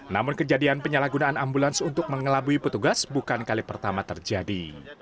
namun kejadian penyalahgunaan ambulans untuk mengelabui petugas bukan kali pertama terjadi